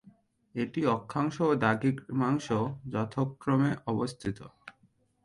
এটি অক্ষাংশ ও দ্রাঘিমাংশ যথাক্রমে অবস্থিত।